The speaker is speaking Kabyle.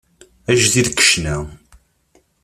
Ajdid deg ccna.